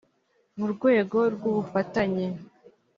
mu rwego rw ubufatanye